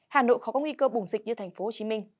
hà nội khó có nguy cơ bùng dịch như tp hcm